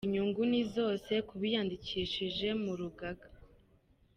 Inyungu ni zose kubiyandikishije mu rugaga.